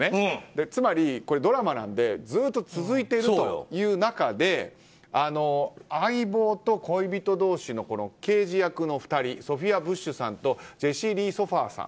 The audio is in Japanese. つまり、ドラマなのでずっと続いているという中で相棒と恋人同士の刑事役の２人ソフィア・ブッシュさんとジェシー・リー・ソファーさん。